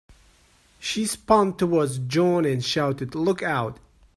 She spun towards John and shouted, "Look Out!"